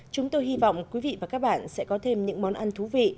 chúng tôi hy vọng quý vị và các bạn sẽ có thêm những món ăn thú vị